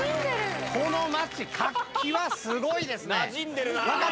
この街、活気はすごいですね。